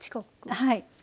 はい。